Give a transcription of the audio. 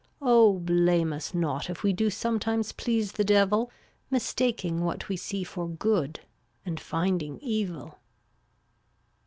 Oh, blame us not if we Do sometimes please the Devil, Mistaking what we see For good, and finding evil.